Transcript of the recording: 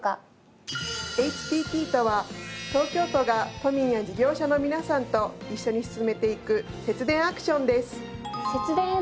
ＨＴＴとは東京都が都民や事業者の皆さんと一緒に進めていく節電アクションです。